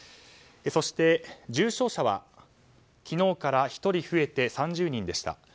そして、重症者は昨日から１人増えて３０人でした。